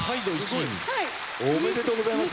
おめでとうございます。